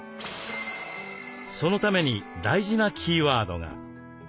そのために大事なキーワードが。